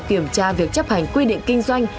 kiểm tra việc chấp hành quy định kinh doanh